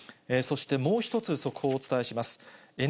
そしてもう一つ速報をお伝えします。